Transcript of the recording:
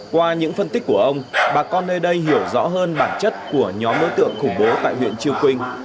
qua những phân tích của ông bà con nơi đây hiểu rõ hơn bản chất của nhóm đối tượng khủng bố tại huyện chư quynh